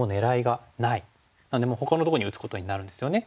なのでもうほかのところに打つことになるんですよね。